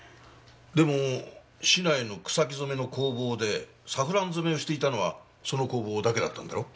でも市内の草木染めの工房でサフラン染めをしていたのはその工房だけだったんだろう？